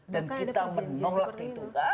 dan kita menolak itu